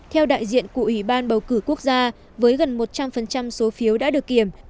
theo đại diện của ủy ban bầu cử quốc gia với gần một trăm linh số phiếu đã được kiểm